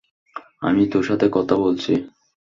আমি তোর সাথে কথা বলছি।